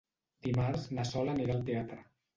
Dimarts na Sol anirà al teatre.